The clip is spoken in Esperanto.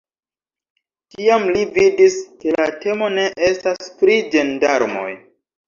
Tiam li vidis, ke la temo ne estas pri ĝendarmoj.